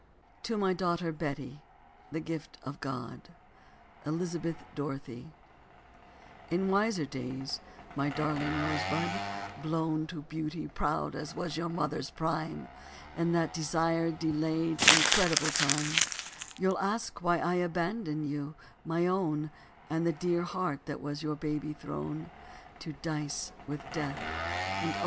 TO MY DAUGHTER BETTY, THE GIFT OF GOD (ELIZABETH DOROTHY) In wiser days, my darling rosebud, blown To beauty proud as was your mother's prime, In that desired, delayed, incredible time, You'll ask why I abandoned you, my own, And the dear heart that was your baby throne, To dice with death. And oh!